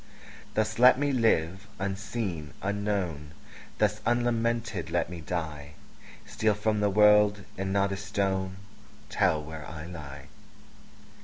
Thus let me live, unseen, unknown; Thus unlamented let me die; Steal from the world, and not a stone Tell where I lie.